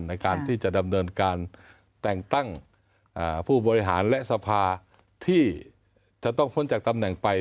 ในการที่จะดำเนินการแต่งตั้งผู้บริหารและสภาที่จะต้องพ้นจากตำแหน่งไป